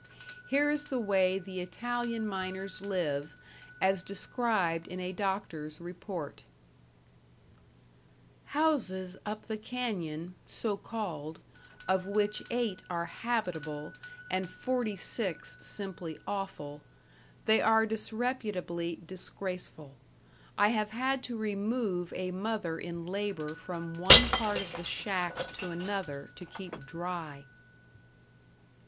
Here is the way the Italian miners live, as described in a doctor's report: Houses up the canyon, so called, of which eight are habitable, and forty six simply awful; they are disreputably disgraceful. I have had to remove a mother in labor from one part of the shack to another to keep dry.